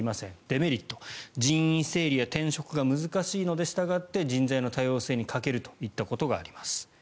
デメリット人員整理や転職が難しいのでしたがって人材の多様性に欠けるといったことがあります。